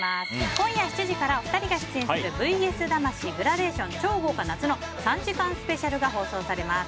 今夜７時からお二人が出演する「ＶＳ魂グラデーション超豪華夏の３時間ＳＰ」が放送されます。